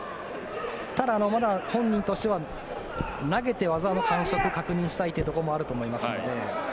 ただ、まだ本人としては投げて、技の感触を確認したいというところもあると思いますので。